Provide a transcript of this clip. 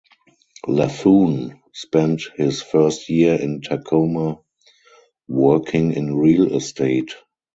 Laffoon spent his first year in Tacoma working in real estate.